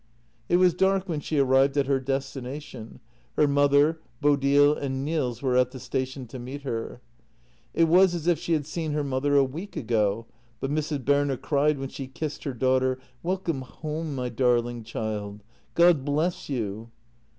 It was dark when she arrived at her destination; her mother, Bodil, and Nils were at the station to meet her. It was as if she had seen her mother a week ago, but Mrs. Berner cried when she kissed her daughter: "Welcome home, my darling child — God bless you